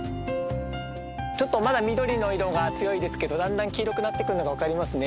ちょっとまだ緑の色が強いですけどだんだん黄色くなってくるのが分かりますね。